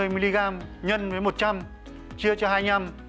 bảy trăm năm mươi mg x một trăm linh chia cho hai mươi năm